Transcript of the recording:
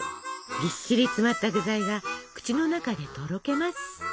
ぎっしり詰まった具材が口の中でとろけます。